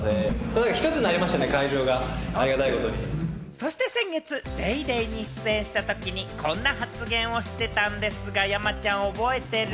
そして先月『ＤａｙＤａｙ．』に出演したときにこんな発言をしてたんですが、山ちゃん覚えてる？